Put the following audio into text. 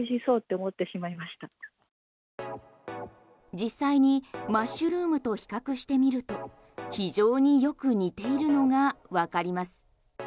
実際にマッシュルームと比較してみると非常によく似ているのがわかります。